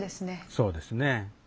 そうですね。